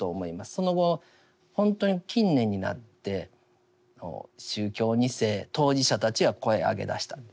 その後ほんとに近年になって宗教２世当事者たちが声を上げだしたんですよね。